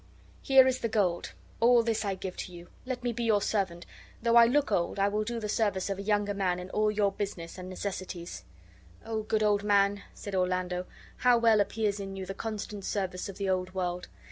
Here is the gold. All this I give to you. Let me be your servant; though I look old I will do the service of a younger man in all your business and necessities." "O good old man!" said Orlando, "how well appears in you the constant service of the old world!